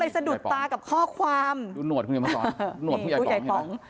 ก็เลยสะดุดตากับข้อความดูหนวดผู้ใหญ่มาสอนหนวดผู้ใหญ่ป๋องนี่ผู้ใหญ่ป๋อง